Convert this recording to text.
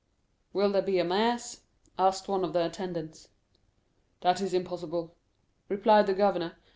"Will there be any mass?" asked one of the attendants. "That is impossible," replied the governor.